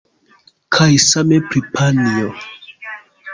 Kaj same pri panjo.